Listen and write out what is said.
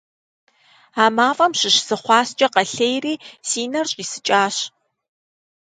А мафӀэм щыщ зы хъуаскӀэ къэлъейри си нэр щӀисыкӀащ.